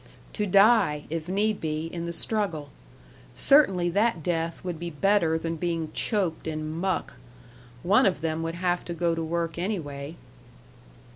To die, if need be, in the struggle. Certainly that death would be better than being choked in muck.... One of them would have to go to work, anyway.